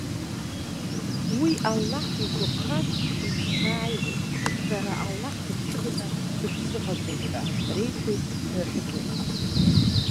Уи Аллаҳ игәаԥхар, ишәзааиуеит, шәара Аллаҳ дымчыданы дышәзыҟаҵом,- ҳәа реиҳәеит Ныҳәгьы.